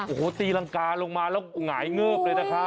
โอ้โหตีรังกาลงมาแล้วหงายเงิบเลยนะครับ